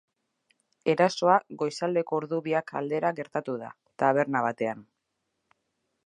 Erasoa goizaldeko ordu biak aldera gertatu da, taberna batean.